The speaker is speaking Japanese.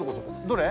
どれ？